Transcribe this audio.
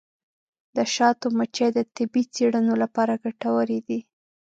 د شاتو مچۍ د طبي څیړنو لپاره ګټورې دي.